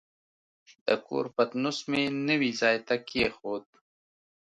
د کور پتنوس مې نوي ځای ته کېښود.